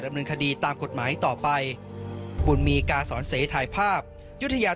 ดำเนินคดีตามกฎหมายต่อไปบุญมีกาสอนเสถ่ายภาพยุธยา